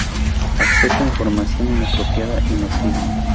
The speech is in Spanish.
Acceso a información inapropiada y nociva.